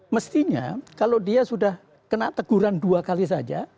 mestinya kalau dia sudah kena teguran dua kali saja